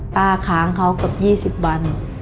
ป้าค้างเขากับยี่สิบวัน